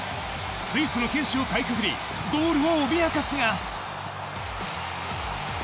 スイスの堅守をかいくぐりゴールを脅かすが。